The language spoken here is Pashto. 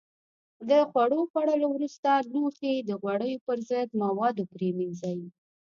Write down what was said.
د خوړو خوړلو وروسته لوښي د غوړیو پر ضد موادو پرېمنځئ.